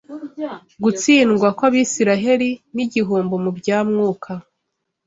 Gutsindwa kw’Abisiraheli n’Igihombo mu bya Mwuka